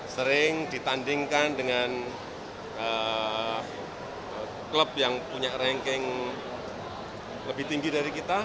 sering ditandingkan dengan klub yang punya ranking lebih tinggi dari kita